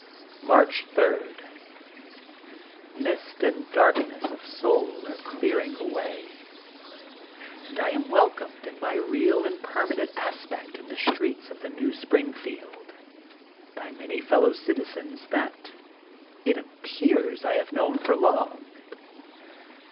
March 3: — Mist and darkness of soul are clearing away. And I am welcomed in my real and permanent aspect in the streets THE GOLDEN BOOK OF SPRINGFIELD 75 of the New Springfield, by many fellow citi zens that it appears I have known for long.